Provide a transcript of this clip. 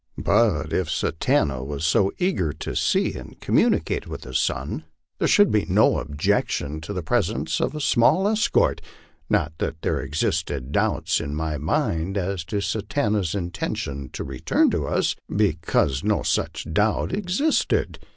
But if Sa tanta was so eager to see and communicate with his son, there should be no objection to the presence of a small escort not that there existed doubts in my mind as to Satanta's intention to return to us, because no such doubt ex isted.